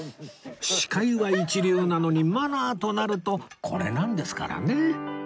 司会は一流なのにマナーとなるとこれなんですからね